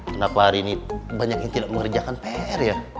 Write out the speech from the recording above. kenapa hari ini banyak yang tidak mengerjakan pr ya